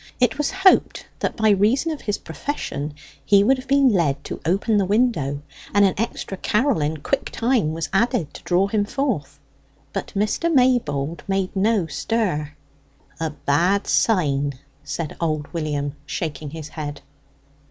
It was hoped that by reason of his profession he would have been led to open the window, and an extra carol in quick time was added to draw him forth. But Mr. Maybold made no stir. "A bad sign!" said old William, shaking his head.